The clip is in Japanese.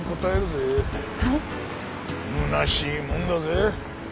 空しいもんだぜ。